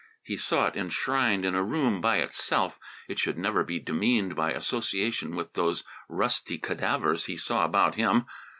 He saw it enshrined in a room by itself; it should never be demeaned by association with those rusty cadavers he saw about him.